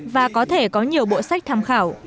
và có thể có nhiều bộ sách tham khảo